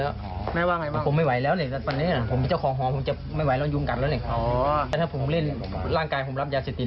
เดี๋ยวทีดีทีนี้ฉันไม่ได้ฟังผิดใช่ไหม